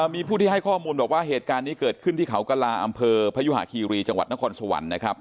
มีผู้ที่ให้ข้อมูลบอกว่าเหตุการณ์นี้เกิดขึ้นที่เขากระลาอำเภอพยุหะคีรีจังหวัดนครสวรรค์นะครับ